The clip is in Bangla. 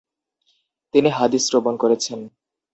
তিনি হাদিস শ্রবণ করেছেন ।